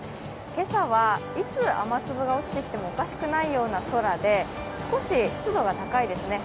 今朝は、いつ雨粒が落ちてきてもおかしくないような空で、少し湿度が高いですね。